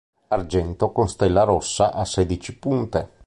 Argento con stella rossa a sedici punte.